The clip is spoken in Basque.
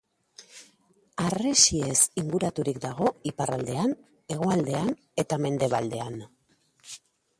Harresiez inguraturik dago iparraldean, hegoaldean eta mendebaldean.